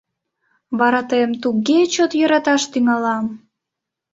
— Вара тыйым туге чот йӧраташ тӱҥалам...